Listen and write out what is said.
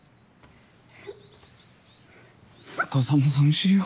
父さんも寂しいよ。